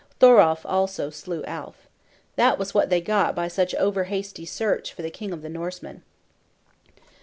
Thoralf also slew Alf. That was what they got by such over hasty search for the king of the Norsemen.